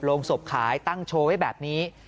โรงศพขายตั้งโชว์ไว้แบบนี้